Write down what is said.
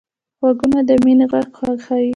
غوږونه د مینې غږ خوښوي